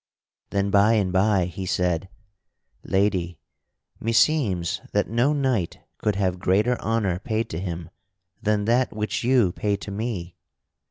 Then by and by he said: "Lady, meseems that no knight could have greater honor paid to him than that which you pay to me.